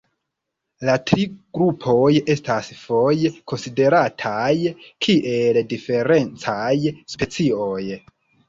La tri grupoj estas foje konsiderataj kiel diferencaj specioj.